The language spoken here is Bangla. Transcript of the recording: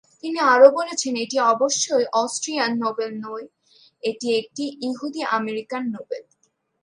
তিনি আরও বলেছিলেন, এটি অবশ্যই "অস্ট্রিয়ান নোবেল নই, এটি একটি ইহুদি-আমেরিকান নোবেল"।